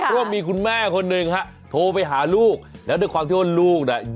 เพราะว่ามีคุณแม่คนหนึ่งฮะโทรไปหาลูกแล้วด้วยความที่ว่าลูกน่ะ